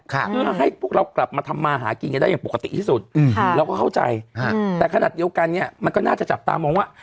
เพื่อให้พวกเรากลับมาทำมาหากินกันได้อย่างปกติที่สุดเราก็เข้าใจแต่ขนาดเดียวกันเนี่ยมันก็น่าจะจับตามองว่า